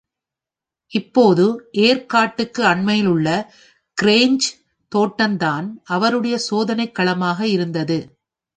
இப்போது ஏர்க்காட்டுக்கு அண்மையிலுள்ள கிரேஞ் தோட்டம் தான் அவருடைய சோதனைக் களமாக இருந்தது.